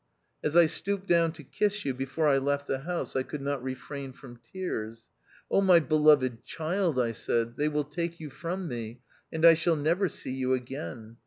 As I stooped down to kiss you before I left the house, I could not refrain from tears. "Oh, my beloved child," I said, "they will take you from me, and I shall never see you again.